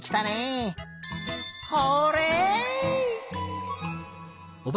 ホーレイ！